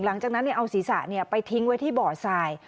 หลังจากนั้นเอาศีรษะไปทิ้งไว้ที่บ่อทราย